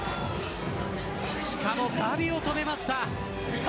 しかもガビを止めました。